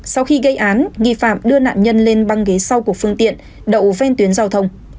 sau khi gây án nghi phạm đưa nạn nhân lên băng ghế sau của phương tiện đậu ven tuyến giao thông